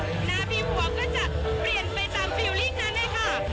หน้าบีหัวก็จะเปลี่ยนไปตามฟิลลีกนั้นเลยค่ะ